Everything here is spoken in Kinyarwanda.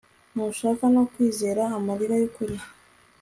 Ntushaka no kwizera amarira yukuri